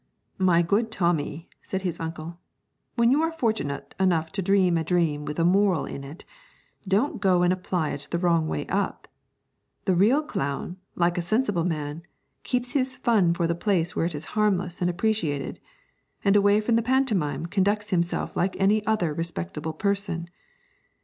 'My good Tommy,' said his uncle, 'when you are fortunate enough to dream a dream with a moral in it, don't go and apply it the wrong way up. The real clown, like a sensible man, keeps his fun for the place where it is harmless and appreciated, and away from the pantomime conducts himself like any other respectable person.